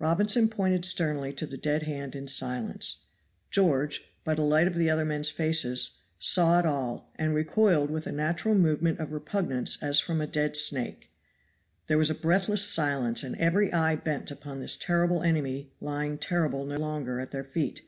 Robinson pointed sternly to the dead hand in silence. George, by the light of the other men's faces, saw it all, and recoiled with a natural movement of repugnance as from a dead snake. There was a breathless silence and every eye bent upon this terrible enemy lying terrible no longer at their feet.